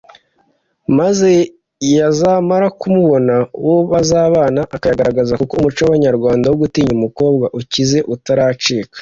maze yazamara kubona uwo bazabana akayagaragaza kuko umuco w’Abanyarwanda wo gutinya umukobwa ukize utaracika